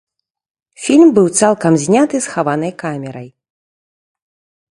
Фільм быў цалкам зняты схаванай камерай.